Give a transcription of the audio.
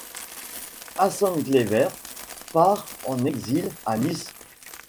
Hasenclever part en exil à Nice.